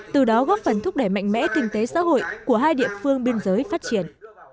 từ đó góp phần thúc đẩy mạnh mẽ kinh tế xã hội của hai địa phương biên giới phát triển